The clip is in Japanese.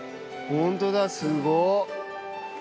本当だすごっ。